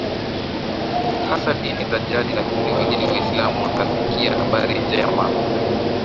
hasa dini za jadi lakini wengine Uislamu wakasikia Habari Njema